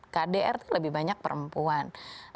kdr lebih banyak perempuan